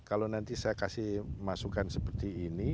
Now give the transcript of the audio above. kalau nanti saya kasih masukan seperti ini